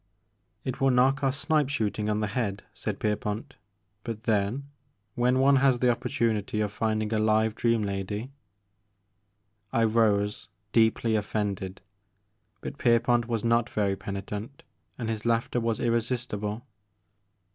"It will knock our snipe shooting on the head," said Pierpont, "but then when one has the opportunity of finding a live dream lady '' I rose, deeply ofiended, but Pierpont was not very penitent and his laughter was irresistible.